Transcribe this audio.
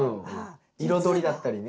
彩りだったりね。